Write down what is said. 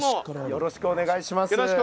よろしくお願いします。